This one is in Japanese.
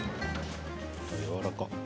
やわらかい。